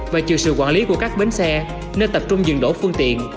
và trừ sự quản lý của các bến xe nên tập trung dừng đổ phương tiện